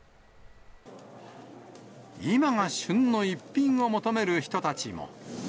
今が旬の一品を求める人たちも。